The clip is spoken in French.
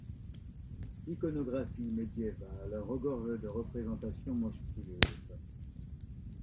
L'iconographie médiévale regorge de représentations monstrueuses.